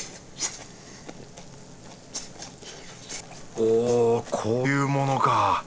おこういうものか。